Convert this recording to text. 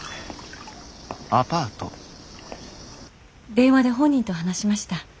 電話で本人と話しました。